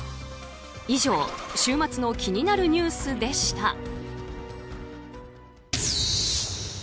以上週末の気になるニュースでした。